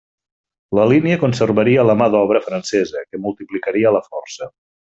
La línia conservaria la mà d'obra francesa, que multiplicaria la força.